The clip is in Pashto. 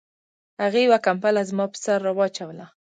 هغې یوه کمپله زما په سر را واچوله